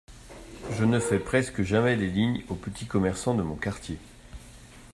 Je ne fais presque jamais les lignes aux petits commerçants de mon quartier.